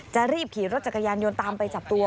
จะรีบขี่รถจักรยานยนต์ตามไปจับตัว